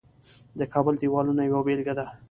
د کابل دیوالونه یوه بیلګه ده